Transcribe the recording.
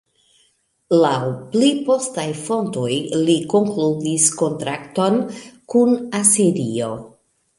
Laŭ pli postaj fontoj li konkludis kontrakton kun Asirio.